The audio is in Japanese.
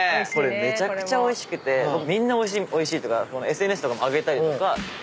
めちゃくちゃおいしくてみんなおいしいとかＳＮＳとか上げたりとか。